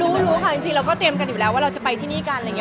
รู้ค่ะจริงเราก็เตรียมกันอยู่แล้วว่าเราจะไปที่นี่กันอะไรอย่างนี้